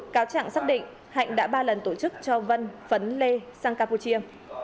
cáo trạng xác định hạnh đã ba lần tổ chức cho vân phấn lê sang campuchia